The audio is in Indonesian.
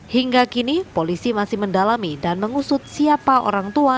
hingga kini polisi masih mendalami dan mengusut siapa orang tua